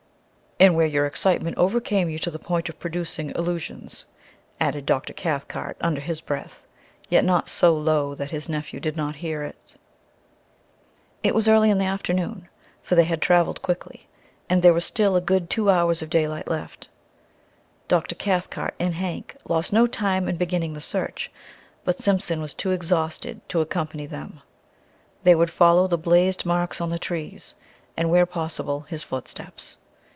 "And where your excitement overcame you to the point of producing illusions," added Dr. Cathcart under his breath, yet not so low that his nephew did not hear it. It was early in the afternoon, for they had traveled quickly, and there were still a good two hours of daylight left. Dr. Cathcart and Hank lost no time in beginning the search, but Simpson was too exhausted to accompany them. They would follow the blazed marks on the trees, and where possible, his footsteps.